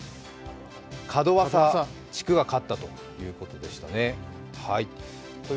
門和佐地区が勝ったということでしたね。